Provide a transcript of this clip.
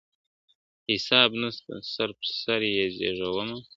حساب نسته سر پر سر یې زېږومه ..